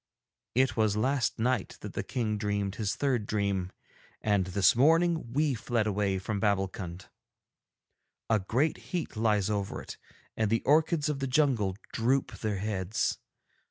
'It was last night that the King dreamed his third dream, and this morning we fled away from Babbulkund. A great heat lies over it, and the orchids of the jungle droop their heads.